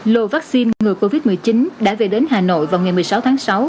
lô vaccine ngừa covid một mươi chín đã về đến hà nội vào ngày một mươi sáu tháng sáu